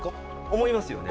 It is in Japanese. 思いますよね。